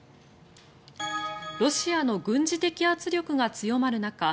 ロシアの軍事的圧力が強まる中